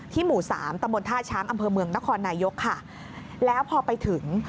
หมู่สามตำบลท่าช้างอำเภอเมืองนครนายกค่ะแล้วพอไปถึง